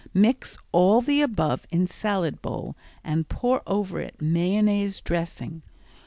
Mix all the above in salad bowl and pour over it mayonnaise dressing.